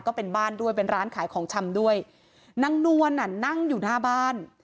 ก็เป็นบ้านด้วยเป็นร้านขายของชำด้วยนางนวลน่ะนั่งอยู่หน้าบ้าน